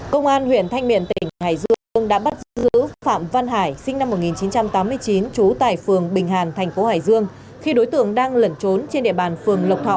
công an huyện thanh miện tỉnh hải dương đã bắt giữ phạm văn hải sinh năm một nghìn chín trăm tám mươi chín trú tại phường bình hàn thành phố hải dương khi đối tượng đang lẩn trốn trên địa bàn phường lộc thọ